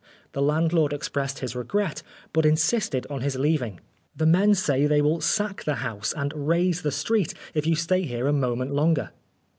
The landlord expressed his regret, but insisted on his leav ing. " The men say they will sack the house and raise the street if you stay here a moment longer."